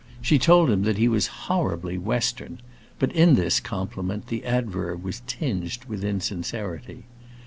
She told him that he was "horribly Western," but in this compliment the adverb was tinged with insincerity.